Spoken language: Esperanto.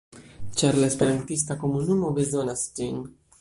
Ĉar la esperantista komunumo bezonas ĝin.